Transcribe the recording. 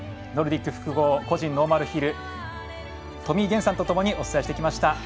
ノルディック複合個人ノーマルヒル富井彦さんとともにお伝えしてきました。